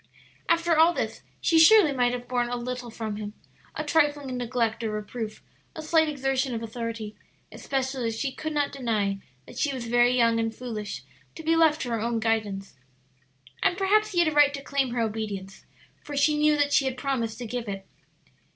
After all this, she surely might have borne a little from him a trifling neglect or reproof, a slight exertion of authority, especially as she could not deny that she was very young and foolish to be left to her own guidance. And perhaps he had a right to claim her obedience, for she knew that she had promised to give it.